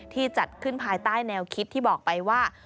จัดขึ้นภายใต้แนวคิดที่บอกไปว่า